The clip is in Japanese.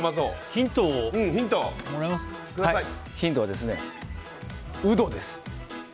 ヒントは、ウドです。